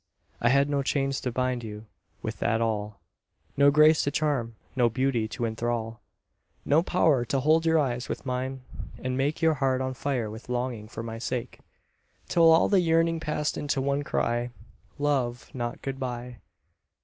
I had no chain to bind you with at all; No grace to charm, no beauty to enthral; No power to hold your eyes with mine, and make Your heart on fire with longing for my sake, Till all the yearning passed into one cry: 'Love, not good bye!'